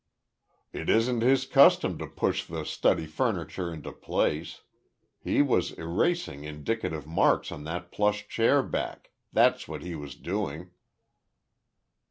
"It isn't his custom to push the study furniture into place. He was erasing indicative marks on that plush chair back—that's what he was doing."